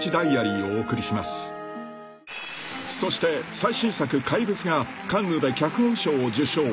［そして最新作『怪物』がカンヌで脚本賞を受賞］